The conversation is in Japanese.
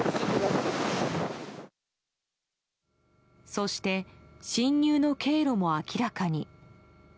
そして、侵入の経路も明らかに。